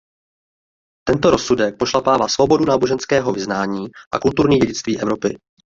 Tento rozsudek pošlapává svobodu náboženského vyznání a kulturní dědictví Evropy.